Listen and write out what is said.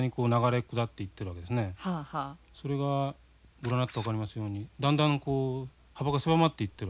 それがご覧になって分かりますようにだんだん幅が狭まっていってるわけです。